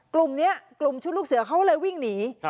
กลุ่มนี้กลุ่มชุดลูกเสือเขาเลยวิ่งหนี